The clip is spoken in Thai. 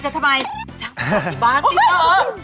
ฉากไปสอดที่บ้านจริงเถอะ